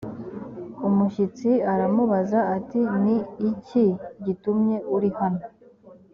umushyitsi aramubaza ati ni iki gitumye uri hano